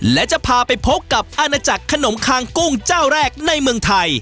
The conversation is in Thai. และจะพาไปพบกับอาณจักรขนมข้างกุ้งในเมืองไทย